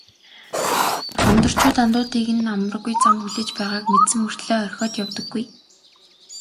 Гондорчууд андуудыг нь амаргүй зам хүлээж байгааг мэдсэн мөртөө орхиод явдаггүй.